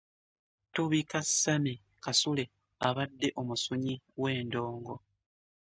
Tubika Sammy Kasule abadde omusunyi w’endongo.